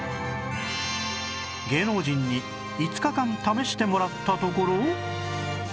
芸能人に５日間試してもらったところ